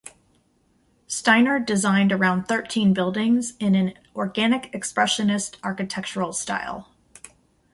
Steiner designed around thirteen buildings in an organic-expressionist architectural style.